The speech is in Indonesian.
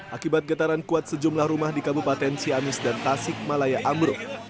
akibat getaran kuat sejumlah rumah di kabupaten siamis dan tasik malaya amruk